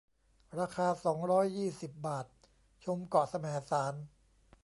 ราคา สองร้อยยี่สิบ บาท ชมเกาะแสมสาร